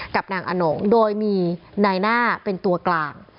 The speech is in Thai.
กับนางอนงโดยมีนายหน้าเป็นตัวกลาง